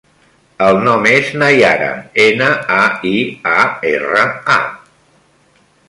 El nom és Naiara: ena, a, i, a, erra, a.